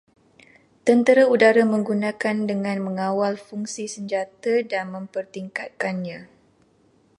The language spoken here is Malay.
Tentera udara menggunakan dengan mengawal fungsi senjata dan mempertingkatkannya